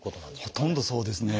ほとんどそうですね。